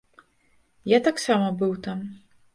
Я таксама быў там.